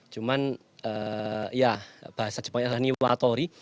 cuman ya bahasa jepangnya adalah ini watori